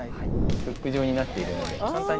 ◆フック状になっているので簡単に。